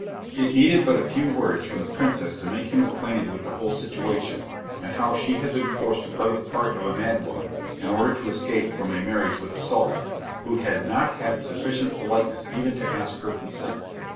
It needed but a few words from the princess to make him acquainted with the whole situation, and how she had been forced to play the part of a mad woman in order to escape from a marriage with the Sultan, who had not had sufficient politeness even to ask her consent.